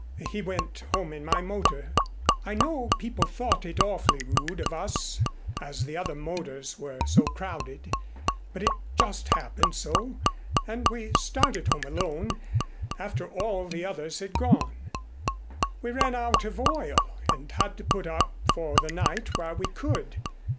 He went home in my motor. I know people thought it awfully rude of us as the other motors were so crowded but it just happened so and we started home alone after all the others had gone. We ran out of oil and had to put up for the night where we could.